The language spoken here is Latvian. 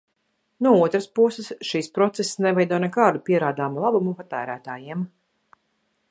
No otras puses, šis process neveido nekādu pierādāmu labumu patērētājiem.